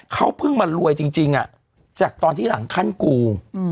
เขาเพิ่งมารวยจริงจากตอนที่หลังขั้นกู